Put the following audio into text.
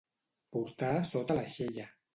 Portar sota l'aixella.